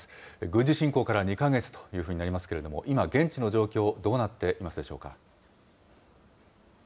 軍事侵攻から２か月というふうになりますけれども、今、現地の状況どうなっていますでしょうか。